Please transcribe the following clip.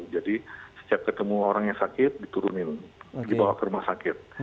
jadi setiap ketemu orang yang sakit diturunkan dibawa ke rumah sakit